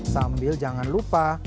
sambil jangan lupa